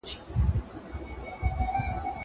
زه بايد بازار ته ولاړ سم.